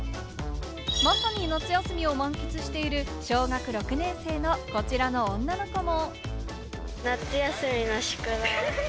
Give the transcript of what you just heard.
まさに夏休みを満喫している、小学６年生のこちらの女の子も。